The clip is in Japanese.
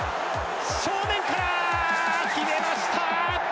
正面から決めました！